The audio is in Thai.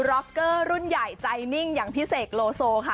ร็อกเกอร์รุ่นใหญ่ใจนิ่งอย่างพี่เสกโลโซค่ะ